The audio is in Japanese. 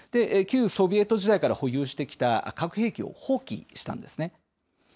旧ソビエト時代から保有してきた核兵器を放棄したんですね。